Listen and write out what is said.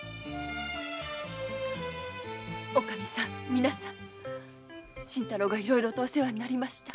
オカミさん皆さん新太郎がいろいろお世話になりました。